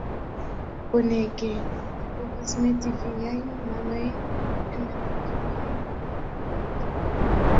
Bonege, vi povas meti viajn manojn en la flugilojn. Bonege!